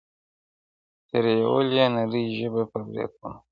تېرول يې نرۍ ژبه پر برېتونو-